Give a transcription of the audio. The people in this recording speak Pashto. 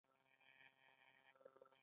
د معدې د روغتیا لپاره له ډیر خوراک ډډه وکړئ